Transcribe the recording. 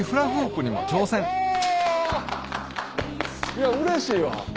いやうれしいわ。